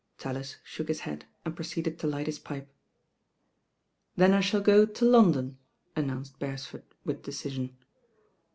' Tallis shook his head and proceeded to light hit pipe. ^ "Then I shall go to London," announced Beres ford with decision.